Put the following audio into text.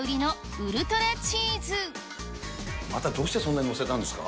またどうしてそんなに載せたんですか？